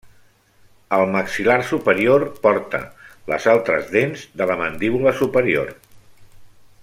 El maxil·lar superior porta les altres dents de la mandíbula superior.